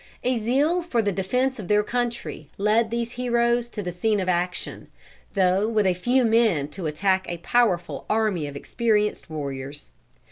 A zeal for the defence of their country led these heroes to the scene of action, though with a few men to attack a powerful army of experienced warriors.